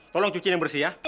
tolong cuciin yang bersih ya